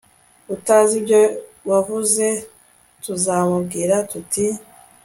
utazi ibyo wavuze, tuzamubwira tuti